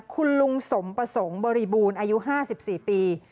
คุณลุงสมประสงค์บริบูรณ์อายุ๕๔ปี